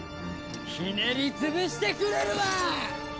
ひねり潰してくれるわ！